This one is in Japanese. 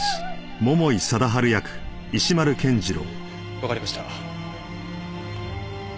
わかりました。